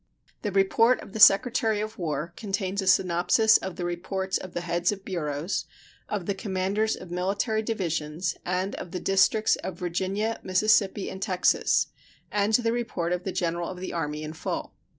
The report of the Secretary of War contains a synopsis of the reports of the heads of bureaus, of the commanders of military divisions, and of the districts of Virginia, Mississippi, and Texas, and the report of the General of the Army in full.